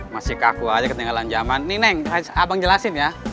masih kaku aja ketinggalan zaman ini neng abang jelasin ya